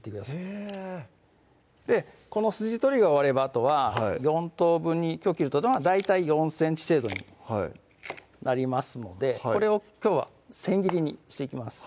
へぇこの筋取りが終わればあとは４等分にきょう切るのは大体４ｃｍ程度になりますのでこれをきょうは千切りにしていきます